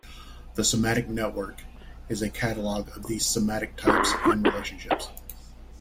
The semantic network is a catalog of these semantic types and relationships.